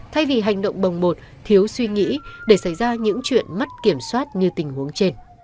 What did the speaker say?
thay vì hành động bồng bột thiếu suy nghĩ để xảy ra những chuyện mất kiểm soát như tình huống trên